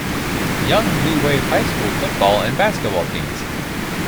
Yonge Blue Wave high school football and basketball teams.